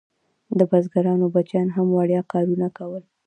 د بزګرانو بچیانو هم وړیا کارونه کول.